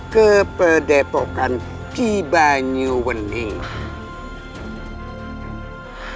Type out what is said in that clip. ke perdetokan kibanyu wening